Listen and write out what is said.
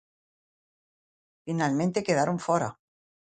Finalmente quedaron fóra.